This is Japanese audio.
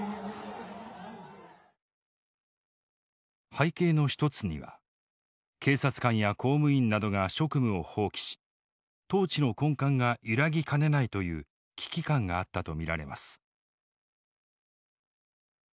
背景の一つには警察官や公務員などが職務を放棄し統治の根幹が揺らぎかねないという危機感があったと見られます。